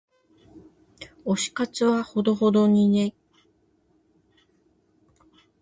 推し活はほどほどにね。